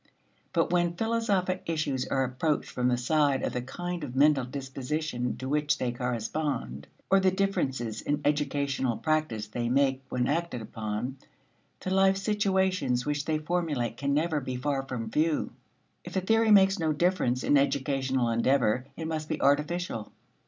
But when philosophic issues are approached from the side of the kind of mental disposition to which they correspond, or the differences in educational practice they make when acted upon, the life situations which they formulate can never be far from view. If a theory makes no difference in educational endeavor, it must be artificial.